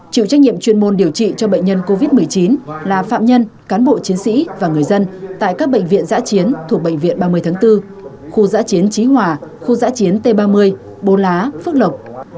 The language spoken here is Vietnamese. chịu trách nhiệm chuyên môn điều trị cho bệnh nhân covid một mươi chín là phạm nhân cán bộ chiến sĩ và người dân tại các bệnh viện giã chiến thuộc bệnh viện ba mươi tháng bốn khu giã chiến trí hòa khu giã chiến t ba mươi bô lá phước lộc